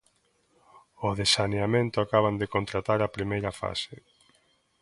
O de saneamento acaban de contratar a primeira fase.